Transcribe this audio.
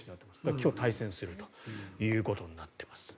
今日、対戦するということになってます。